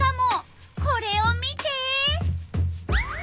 これを見て！